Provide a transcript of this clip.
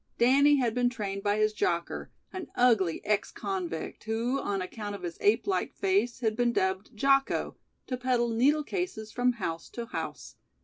Danny had been trained by his jocker, an ugly ex convict, who on account of his ape like face had been dubbed "Jocko", to peddle needle cases from house to house.